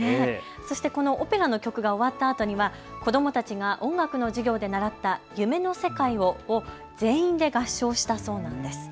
そしてこのオペラの曲が終わったあとには子どもたちが音楽の授業で習った夢の世界をを全員で合唱したそうなんです。